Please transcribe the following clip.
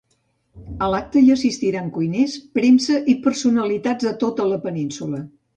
A l'acte hi assistiran cuiners, premsa i personalitats de tota la península.